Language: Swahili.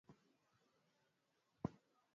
Kititi au Ugonjwa wa Kiwele